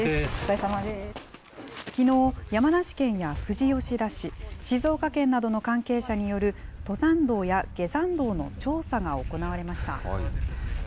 きのう、山梨県や富士吉田市、静岡県などの関係者による、登山道や下山道の調査が行われました。